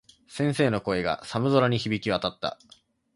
先生の声が、寒空に響き渡った。